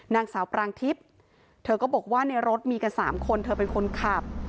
นางสาวปรางทิพย์เธอก็บอกว่าในรถมีกัน๓คนเธอเป็นคนขับ